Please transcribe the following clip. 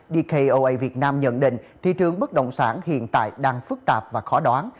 dkoa việt nam nhận định thị trường bất động sản hiện tại đang phức tạp và khó đoán